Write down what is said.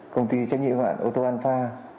công ty trách nhiệm hiểu hạn ô tô an pha